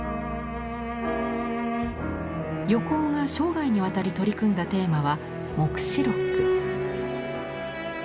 横尾が生涯にわたり取り組んだテーマは「黙示録」。